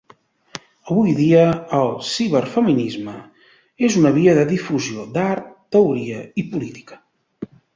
Avui dia, el Ciberfeminisme és un via de difusió d'art, teoria i política.